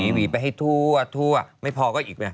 หวีไปให้ทั่วไม่พอก็อีกไหม